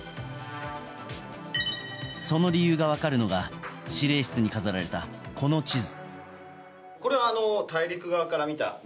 その理由が分かるのが司令室に飾られたこの地図。